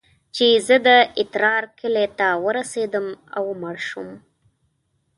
چې زه د اترار کلي ته ورسېدم او مړ سوم.